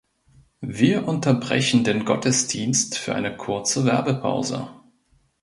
Wir unterbrechen den Gottesdienst für eine kurze Werbepause.